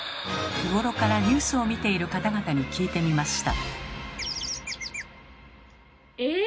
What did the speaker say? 日頃からニュースを見ている方々に聞いてみました。